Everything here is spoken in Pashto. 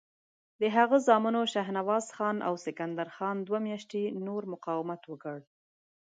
د هغه زامنو شهنواز خان او سکندر خان دوه میاشتې نور مقاومت وکړ.